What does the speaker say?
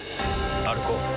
歩こう。